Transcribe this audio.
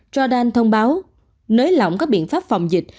radarn thông báo nới lỏng các biện pháp phòng dịch